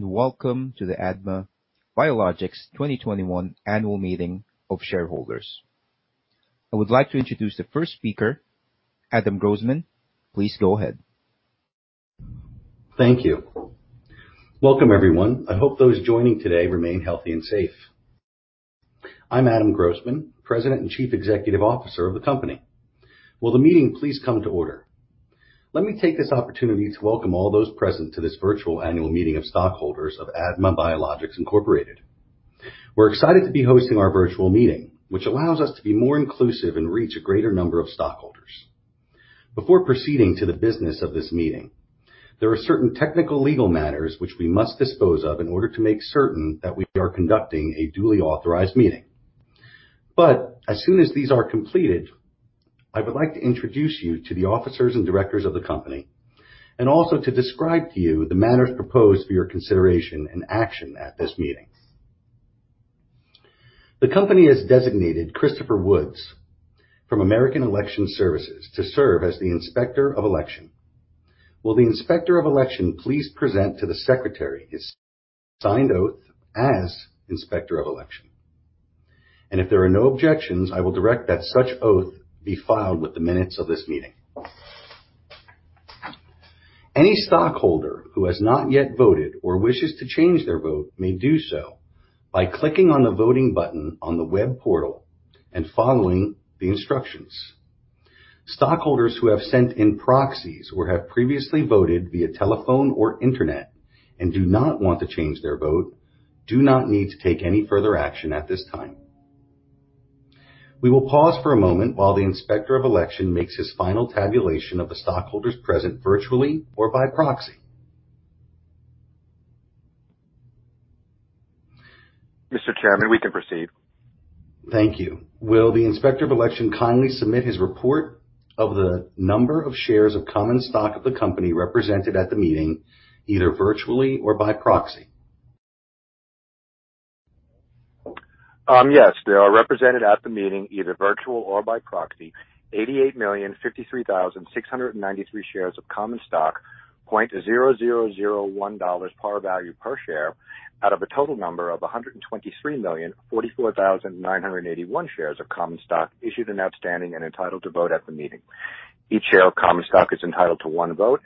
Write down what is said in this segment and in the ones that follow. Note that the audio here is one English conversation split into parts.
Welcome to the ADMA Biologics 2021 Annual Meeting of Shareholders. I would like to introduce the first speaker, Adam Grossman. Please go ahead. Thank you. Welcome, everyone. I hope those joining today remain healthy and safe. I'm Adam Grossman, President and Chief Executive Officer of the company. Will the meeting please come to order? Let me take this opportunity to welcome all those present to this virtual annual meeting of stockholders of ADMA Biologics, Inc. We're excited to be hosting our virtual meeting, which allows us to be more inclusive and reach a greater number of stockholders. Before proceeding to the business of this meeting, there are certain technical legal matters which we must dispose of in order to make certain that we are conducting a duly authorized meeting. As soon as these are completed, I would like to introduce you to the officers and directors of the company, and also to describe to you the matters proposed for your consideration and action at this meeting. The company has designated Christopher Woods from American Election Services to serve as the Inspector of Election. Will the Inspector of Election please present to the secretary his signed oath as Inspector of Election? If there are no objections, I will direct that such oath be filed with the minutes of this meeting. Any stockholder who has not yet voted or wishes to change their vote may do so by clicking on the voting button on the web portal and following the instructions. Stockholders who have sent in proxies or have previously voted via telephone or internet and do not want to change their vote do not need to take any further action at this time. We will pause for a moment while the Inspector of Election makes his final tabulation of the stockholders present virtually or by proxy. Mr. Chairman, we can proceed. Thank you. Will the Inspector of Election kindly submit his report of the number of shares of common stock of the company represented at the meeting, either virtually or by proxy? Yes. There are represented at the meeting, either virtual or by proxy, 88,053,693 shares of common stock, $0.0001 par value per share, out of a total number of 123,044,981 shares of common stock issued and outstanding and entitled to vote at the meeting. Each share of common stock is entitled to one vote.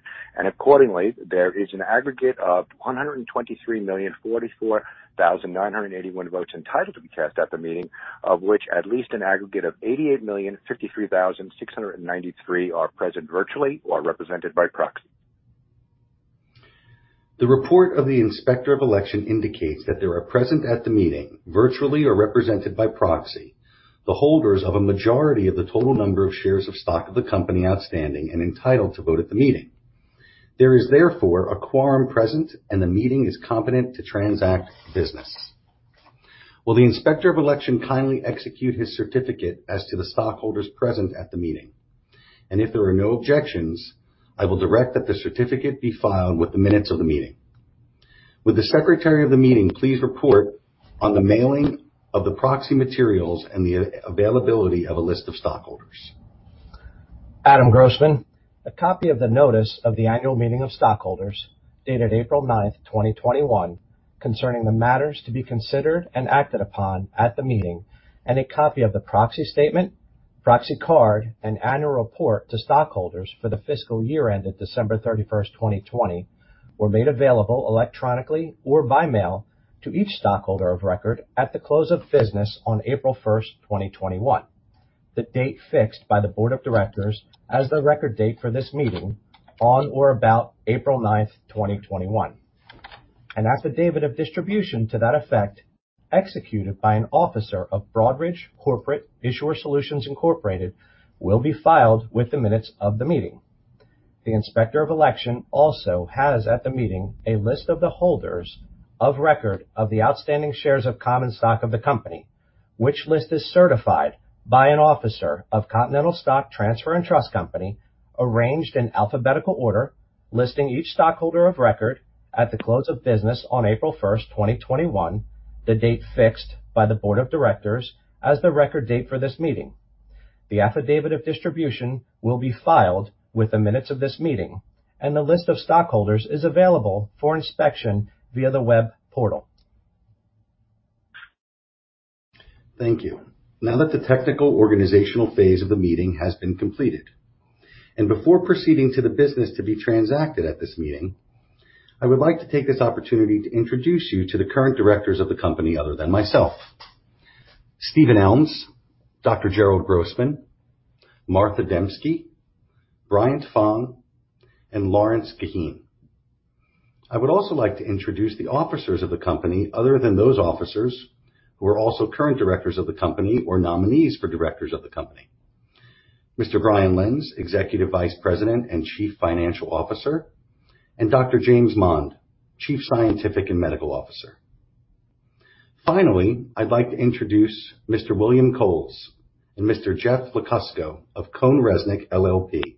Accordingly, there is an aggregate of 123,044,981 votes entitled to be cast at the meeting, of which at least an aggregate of 88,053,693 are present virtually or represented by proxy. The report of the Inspector of Election indicates that there are present at the meeting, virtually or represented by proxy, the holders of a majority of the total number of shares of stock of the company outstanding and entitled to vote at the meeting. There is therefore a quorum present, and the meeting is competent to transact business. Will the Inspector of Election kindly execute his certificate as to the stockholders present at the meeting? If there are no objections, I will direct that the certificate be filed with the minutes of the meeting. Would the secretary of the meeting please report on the mailing of the proxy materials and the availability of a list of stockholders? Adam Grossman, a copy of the notice of the annual meeting of stockholders dated April 9, 2021, concerning the matters to be considered and acted upon at the meeting, and a copy of the proxy statement, proxy card, and annual report to stockholders for the fiscal year ended December 31, 2020, were made available electronically or by mail to each stockholder of record at the close of business on April 1, 2021, the date fixed by the board of directors as the record date for this meeting on or about April 9, 2021. An affidavit of distribution to that effect executed by an officer of Broadridge Corporate Issuer Solutions Incorporated will be filed with the minutes of the meeting. The Inspector of Election also has at the meeting a list of the holders of record of the outstanding shares of common stock of the company, which list is certified by an officer of Continental Stock Transfer & Trust Company, arranged in alphabetical order, listing each stockholder of record at the close of business on April 1, 2021, the date fixed by the board of directors as the record date for this meeting. The affidavit of distribution will be filed with the minutes of this meeting, and the list of stockholders is available for inspection via the web portal. Thank you. Now that the technical organizational phase of the meeting has been completed, and before proceeding to the business to be transacted at this meeting, I would like to take this opportunity to introduce you to the current directors of the company other than myself. Steven Elms, Jerrold Grossman, Martha Demski, Bryant Fong, and Lawrence Guiheen. I would also like to introduce the officers of the company other than those officers who are also current directors of the company or nominees for directors of the company. Mr. Brian Lenz, Executive Vice President and Chief Financial Officer, and James Mond, Chief Scientific and Medical Officer. Finally, I'd like to introduce Mr. William Coles and Mr. Jeff Lukacsko of CohnReznick LLP,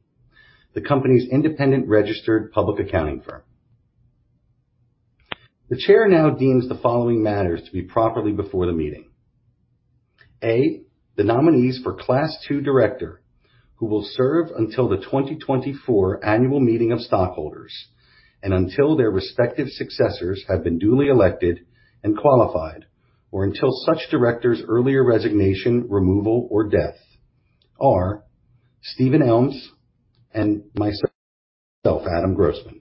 the company's independent registered public accounting firm. The chair now deems the following matters to be properly before the meeting. A, the nominees for Class II Director who will serve until the 2024 Annual Meeting of Stockholders and until their respective successors have been duly elected and qualified, or until such directors earlier resignation, removal, or death are Steven Elms and myself, Adam Grossman.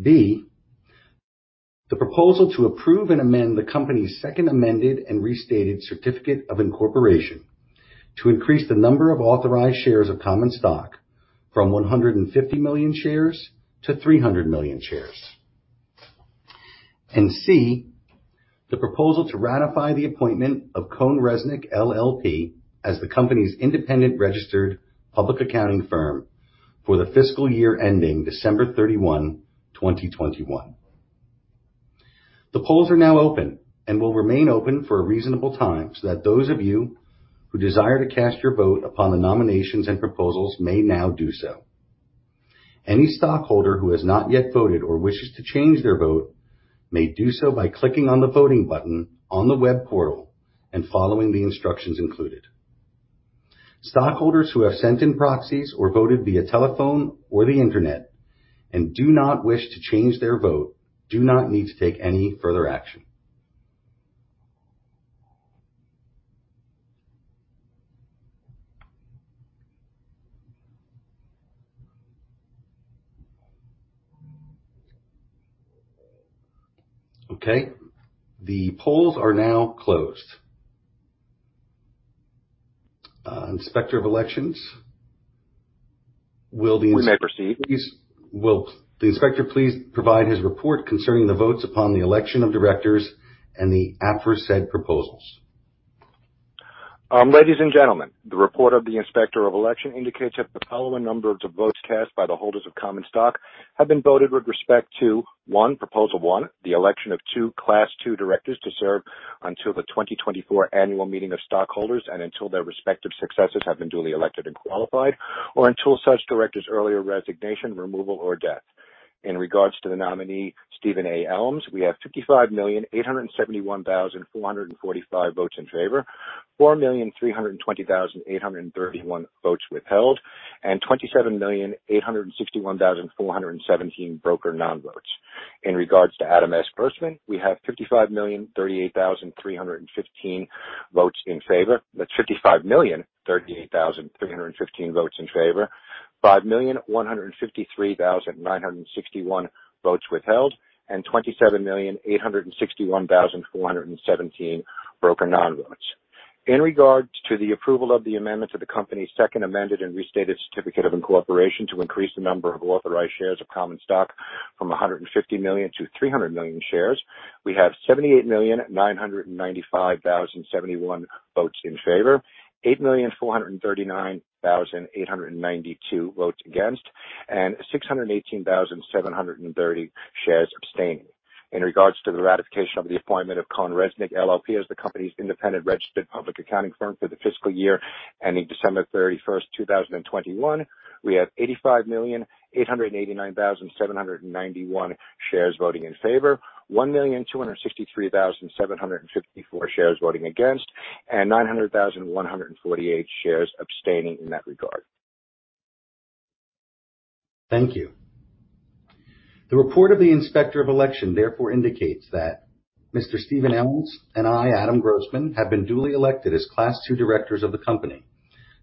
B, the proposal to approve and amend the company's Second Amended and Restated Certificate of Incorporation to increase the number of authorized shares of common stock from 150 million shares-300 million shares. C, the proposal to ratify the appointment of CohnReznick LLP as the company's independent registered public accounting firm for the fiscal year ending December 31, 2021. The polls are now open and will remain open for a reasonable time so that those of you who desire to cast your vote upon the nominations and proposals may now do so. Any stockholder who has not yet voted or wishes to change their vote may do so by clicking on the voting button on the web portal and following the instructions included. Stockholders who have sent in proxies or voted via telephone or the internet and do not wish to change their vote do not need to take any further action. Okay. The polls are now closed. Inspector of Election. We may proceed. Will the inspector please provide his report concerning the votes upon the election of directors and the aforesaid proposals? Ladies and gentlemen, the report of the Inspector of Election indicates that the following numbers of votes cast by the holders of common stock have been voted with respect to, one, proposal one, the election of two Class II directors to serve until the 2024 Annual Meeting of Stockholders and until their respective successors have been duly elected and qualified, or until such director's earlier resignation, removal, or death. In regards to the nominee, Steven A. Elms, we have 55,871,445 votes in favor, 4,320,831 votes withheld, and 27,861,417 broker non-votes. In regards to Adam S. Grossman, we have 55,038,315 votes in favor, 5,153,961 votes withheld, and 27,861,417 broker non-votes. In regards to the approval of the amendment to the company's Second Amended and Restated Certificate of Incorporation to increase the number of authorized shares of common stock from 150 million-300 million shares, we have 78,995,071 votes in favor, 8,439,892 votes against, and 618,730 shares abstained. In regards to the ratification of the appointment of CohnReznick LLP as the company's independent registered public accounting firm for the fiscal year ending December 31, 2021, we have 85,889,791 shares voting in favor, 1,263,754 shares voting against, and 900,148 shares abstaining in that regard. Thank you. The report of the Inspector of Election therefore indicates that Mr. Steven Elms and I, Adam Grossman, have been duly elected as Class II Directors of the company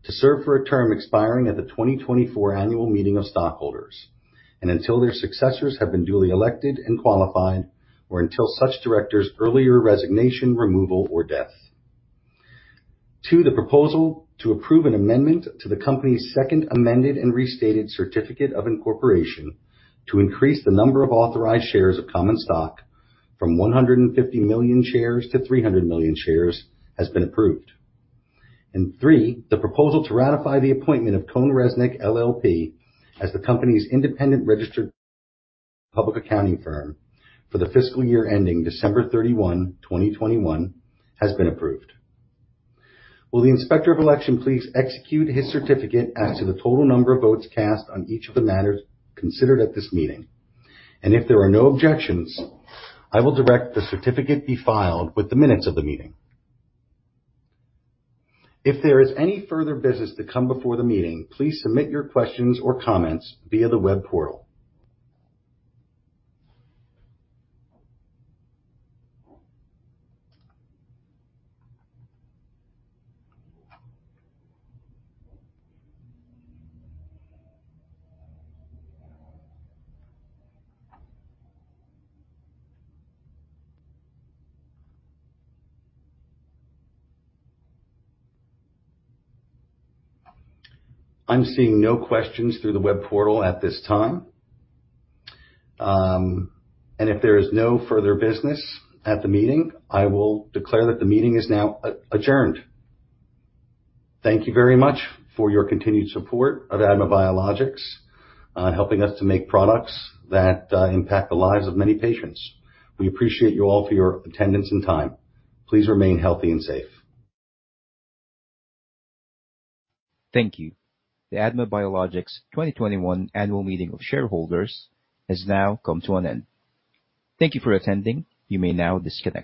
to serve for a term expiring at the 2024 Annual Meeting of Stockholders and until their successors have been duly elected and qualified, or until such Director's earlier resignation, removal, or death. Two, the proposal to approve an amendment to the company's Second Amended and Restated Certificate of Incorporation to increase the number of authorized shares of common stock from 150 million shares-300 million shares has been approved. Three, the proposal to ratify the appointment of CohnReznick LLP as the company's independent registered public accounting firm for the fiscal year ending December 31, 2021, has been approved. Will the Inspector of Election please execute his certificate as to the total number of votes cast on each of the matters considered at this meeting? If there are no objections, I will direct the certificate be filed with the minutes of the meeting. If there is any further business to come before the meeting, please submit your questions or comments via the web portal. I'm seeing no questions through the web portal at this time. If there is no further business at the meeting, I will declare that the meeting is now adjourned. Thank you very much for your continued support of ADMA Biologics, helping us to make products that impact the lives of many patients. We appreciate you all for your attendance and time. Please remain healthy and safe. Thank you. The ADMA Biologics 2021 Annual Meeting of Shareholders has now come to an end. Thank you for attending. You may now disconnect.